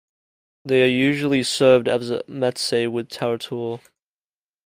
They are usually served as a "meze" with "tarator".